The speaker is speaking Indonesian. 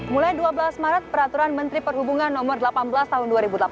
mulai dua belas maret peraturan menteri perhubungan no delapan belas tahun dua ribu delapan belas